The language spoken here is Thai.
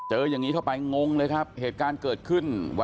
ผู้จัดการร้านคนในร้านต้องมาช่วยกันไล่นะฮะ